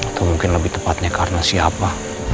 atau mungkin lebih tepatnya karena siapa